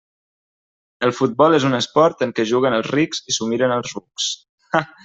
El futbol és un esport en què juguen els rics i s'ho miren els rucs.